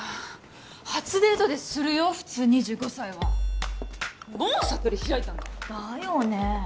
初デートでするよ普通２５歳はもう悟り開いたんかだよね